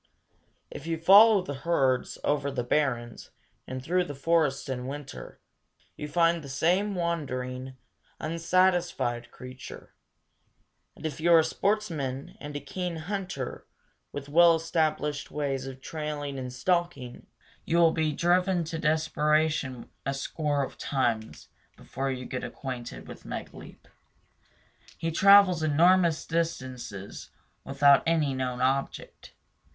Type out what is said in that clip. If you follow the herds over the barrens and through the forest in winter, you find the same wandering, unsatisfied creature. And if you are a sportsman and a keen hunter, with well established ways of trailing and stalking, you will be driven to desperation a score of times before you get acquainted with Megaleep. He travels enormous distances without any known object.